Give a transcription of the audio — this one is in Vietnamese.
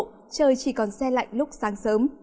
trời chỉ còn xe lạnh lúc sáng